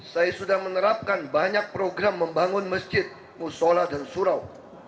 saya sudah menerapkan banyak program membangun masjid musola dan surau